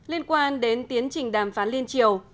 liên quan đến tiến trình đàm phán liên triều